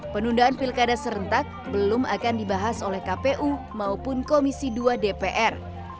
penundaan pilkada serentak belum akan dibahas oleh kpu maupun komisi dua dpr